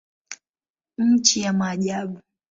Nchi ya maajabu.